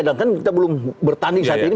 dan kan kita belum bertanding saat ini